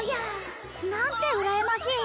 何てうらやましい！